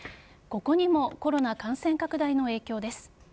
ここにもコロナ感染拡大の影響です。